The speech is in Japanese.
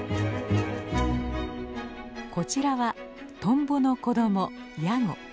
こちらはトンボの子どもヤゴ。